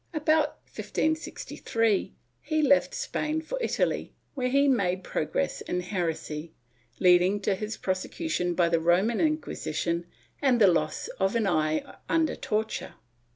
About 1563 he left Spain for Italy, where he made progress in heresy, leading to his prosecution by the Roman Inquisition and the loss of an eye under torture.